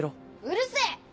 うるせぇ！